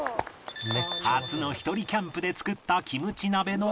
初のひとりキャンプで作ったキムチ鍋の味は？